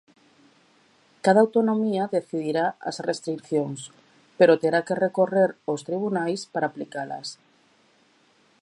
Cada autonomía decidirá as restricións, pero terá que recorrer aos tribunais para aplicalas.